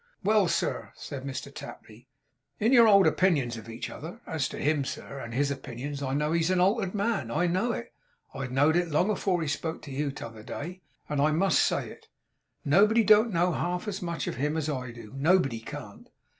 'Well, sir,' said Mr Tapley. 'In your old opinions of each other. As to him, sir, and his opinions, I know he's a altered man. I know it. I know'd it long afore he spoke to you t'other day, and I must say it. Nobody don't know half as much of him as I do. Nobody can't.